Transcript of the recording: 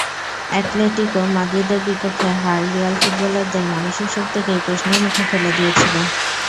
Atletico মাদ্রিদের বিপক্ষে হার রিয়াল ফুটবলারদের মানসিক শক্তিকেই প্রশ্নের মুখে ফেলে দিয়েছিল।